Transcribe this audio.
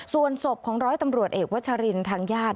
ส่วนศพของร้อยตำรวจเอกวัชรินทางญาติ